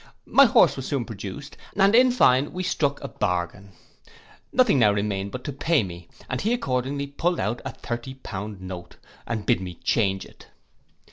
My horse was soon produced, and in fine we struck a bargain. Nothing now remained but to pay me, and he accordingly pulled out a thirty pound note, and bid me change it.